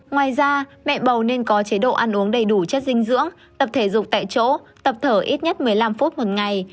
ngoài ra mẹ bầu nên có chế độ ăn uống đầy đủ chất dinh dưỡng tập thể dục tại chỗ tập thở ít nhất một mươi năm phút một ngày